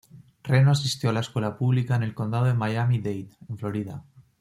Reno asistió a la escuela pública en el condado de Miami-Dade en Florida.